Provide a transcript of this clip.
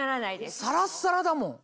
サラッサラだもん。